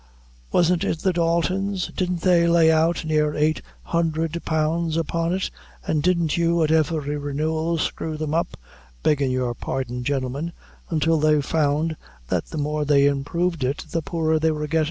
Wasn't it the Daltons? Didn't they lay out near eight hundre pounds upon it? An, didn't you, at every renewal, screw them up beggin' your pardon, gintlemen until they found that the more they improved it the poorer they were gettin'?